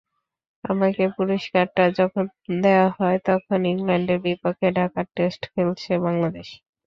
আমাকে পুরস্কারটা যখন দেওয়া হয়, তখন ইংল্যান্ডের বিপক্ষে ঢাকায় টেস্ট খেলছে বাংলাদেশ।